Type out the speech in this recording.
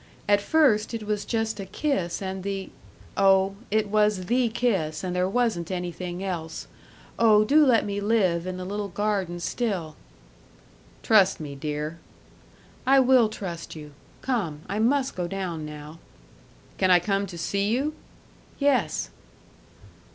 At first it was just a kiss and the oh, it was the kiss, and there wasn't anything else. Oh, do let me live in the little garden still." "Trust me, dear." "I will trust you. Come. I must go down now." "Can I come to see you?" "Yes."